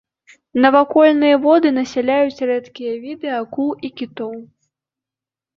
Навакольныя воды насяляюць рэдкія віды акул і кітоў.